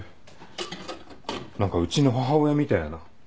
何かうちの母親みたいやな。